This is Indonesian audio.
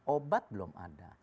obat belum ada